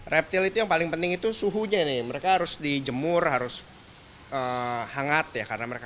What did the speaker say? reptil itu yang paling penting itu suhunya mereka harus dijemur harus hangat ya